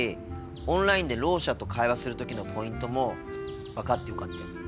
オンラインでろう者と会話する時のポイントも分かってよかったよ。